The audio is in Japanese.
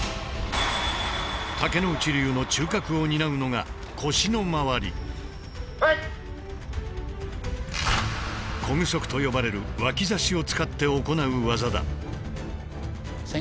竹内流の中核を担うのが小具足と呼ばれる脇差を使って行う技だ。